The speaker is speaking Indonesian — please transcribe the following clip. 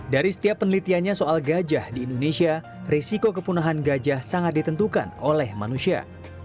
dari setiap penelitiannya soal gajah di indonesia risiko kepunahan gajah sangat ditentukan oleh manusia